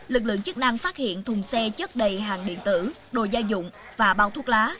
lực lượng chức năng phát hiện thùng xe chất đầy hàng điện tử đồ gia dụng và bao thuốc lá